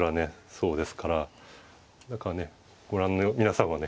そうですからご覧の皆さんはね